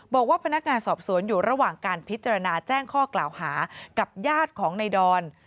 บอกว่าพนักงานสอบสวนอยู่ระหว่างการพิจารณาแจ้งข้อกล่าวหากับญาติของในดอน